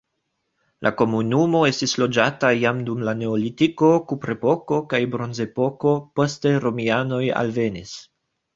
La komunumo estis loĝata jam dum la neolitiko, kuprepoko kaj bronzepoko, poste romianoj alvenis.